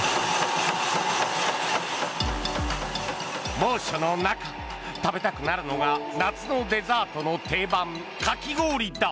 猛暑の中、食べたくなるのが夏のデザートの定番、かき氷だ。